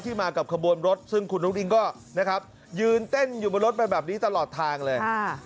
มากับขบวนรถซึ่งคุณอุ้งอิงก็นะครับยืนเต้นอยู่บนรถไปแบบนี้ตลอดทางเลย